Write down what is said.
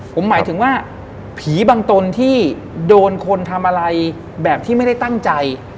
ผมหมายถึงว่าผีบางตนที่โดนคนทำอะไรแบบที่ไม่ได้ตั้งใจ